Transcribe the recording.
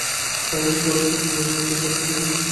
তাঁর কি উচিত না মেয়েটির রূপের প্রশংসা করে কিছু বলা?